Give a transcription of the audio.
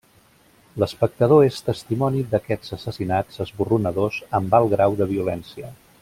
L'espectador és testimoni d'aquests assassinats esborronadors amb alt grau de violència.